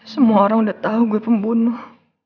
semua orang udah tahu gue pembunuh